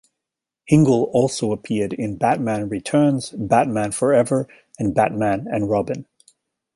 Hingle also appeared in "Batman Returns", "Batman Forever", and "Batman and Robin".